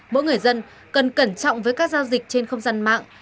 mỗi người dân cần cẩn trọng với các giao dịch trên không gian mạng